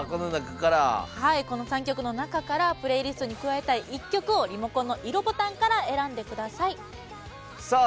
この３曲の中からプレイリストに加えたい１曲をリモコンの色ボタンから選んでください。